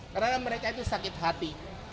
karena mereka itu sakit hati